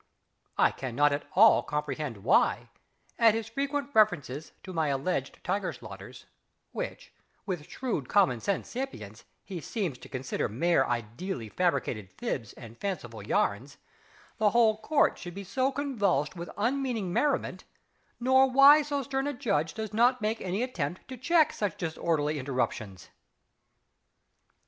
I cannot at all comprehend why, at his frequent references to my alleged tiger slaughters which, with shrewd commonsense sapience, he seems to consider mere ideally fabricated fibs and fanciful yarns the whole Court should be so convulsed with unmeaning merriment, nor why so stern a Judge does not make any attempt to check such disorderly interruptions....